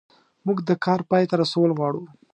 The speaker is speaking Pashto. موږ د کار پای ته رسول غواړو.